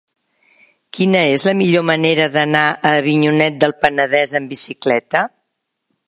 Quina és la millor manera d'anar a Avinyonet del Penedès amb bicicleta?